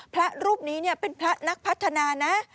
พระรูปนี้เป็นพระนักพัฒนานะ